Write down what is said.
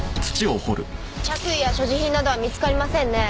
着衣や所持品などは見つかりませんね。